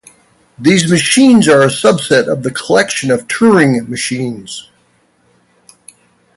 These machines are a subset of the collection of Turing machines.